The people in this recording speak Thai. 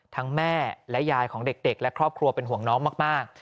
แม่และยายของเด็กและครอบครัวเป็นห่วงน้องมาก